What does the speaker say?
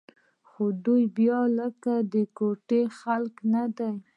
خو دوى بيا لکه د کوټې خلق نه دي.